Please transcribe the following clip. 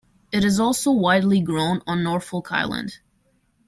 It is also widely grown on Norfolk Island.